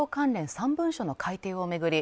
３文書の改訂を巡り